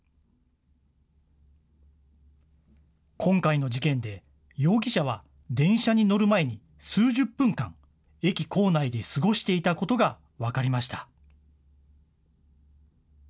今回の事件で、容疑者は電車に乗る前に、数十分間、駅構内で過ごしていたことが分かりました。